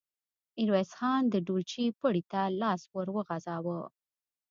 ميرويس خان د ډولچې پړي ته لاس ور وغځاوه.